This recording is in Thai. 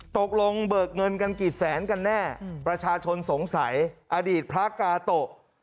ตกลงเบิกเงินกันกี่แสนกันแน่ประชาชนสงสัยอดีตพระกาโตะ